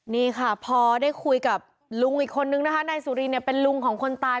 นี่ค่ะพอได้คุยกับลุงอีกคนนึงนะคะนายสุรินเนี่ยเป็นลุงของคนตาย